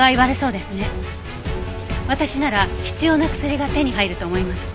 私なら必要な薬が手に入ると思います。